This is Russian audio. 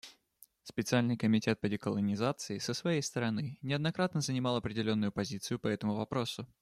Специальный комитет по деколонизации, со своей стороны, неоднократно занимал определенную позицию по этому вопросу.